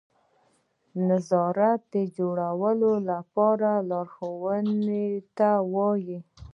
نظارت د جوړولو لپاره لارښوونې ته وایي.